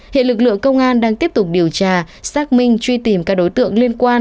hiện lực lượng công an đang tiếp tục điều tra xác minh truy tìm các đối tượng liên quan